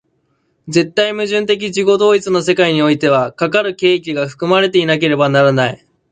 絶対矛盾的自己同一の世界においては、かかる契機が含まれていなければならない。